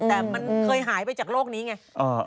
แต่มันเคยหายไปจากโลกนี้ไง